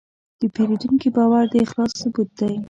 د پیرودونکي باور د اخلاص ثبوت دی.